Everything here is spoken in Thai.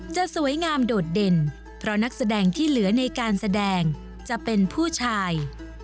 จะสวยงามโดดเด่นเพราะนักแสดงที่เหลือในการแสดงจะเป็นผู้ชาย